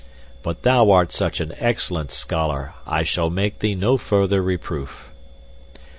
"But thou art such an excellent scholar, I shall make thee no further reproof."